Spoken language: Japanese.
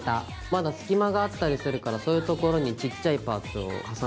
まだ隙間があったりするからそういうところにちっちゃいパーツを重ねちゃう。